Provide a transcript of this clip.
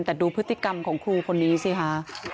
แต่ดูพฤติกรรมของครูคนนี้สิคะ